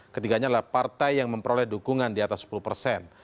ketiganya adalah partai yang memperoleh dukungan di atas sepuluh persen